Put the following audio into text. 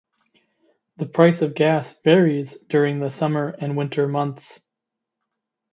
The price of gas varies during the summer and winter months.